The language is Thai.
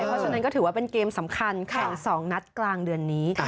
เพราะฉะนั้นก็ถือว่าเป็นเกมสำคัญแข่ง๒นัดกลางเดือนนี้